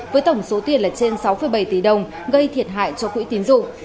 với tổng số tiền là trên sáu bảy tỷ đồng gây thiệt hại cho quỹ tín dụng